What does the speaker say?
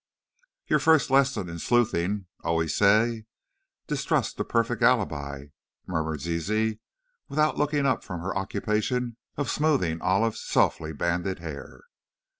"Your First Lessons in Sleuthing always say, 'distrust the perfect alibi,'" murmured Zizi, without looking up from her occupation of smoothing Olive's softly banded hair.